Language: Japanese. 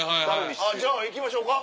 じゃあ行きましょうか。